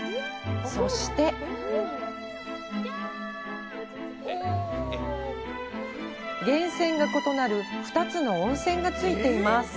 そして、源泉が異なる２つの温泉がついています。